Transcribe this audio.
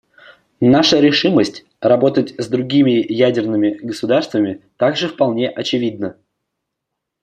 Наша решимость работать с другими ядерными государствами также вполне очевидна.